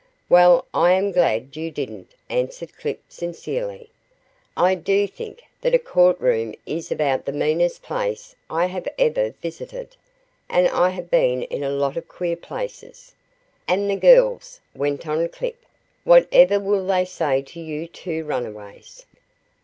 "Well, I am glad you didn't," answered Clip sincerely. "I do think that a courtroom is about the meanest place I have ever visited and I have been in a lot of queer places. And the girls," went on Clip. "Whatever will they say to you two runaways?"